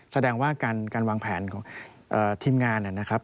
แสดงว่าการวางแผนของทีมงานนะครับ